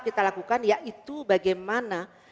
kita lakukan yaitu bagaimana